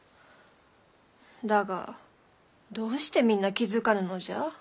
だがどうしてみんな気付かぬのじゃ？